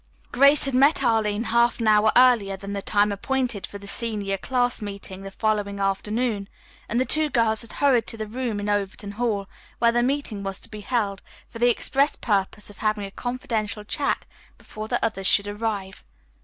Grace had met Arline half an hour earlier than the time appointed for the senior class meeting the following afternoon and the two girls had hurried to the room in Overton Hall, where the meeting was to be held, for the express purpose of having a confidential chat before the others should arrive.